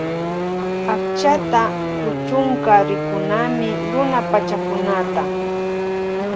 Akchata kuchunka rikunami luna pachakunata.